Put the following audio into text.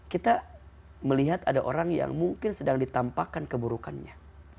kita melihat ada orang yang mungkin sedang ditampakkan keburukannya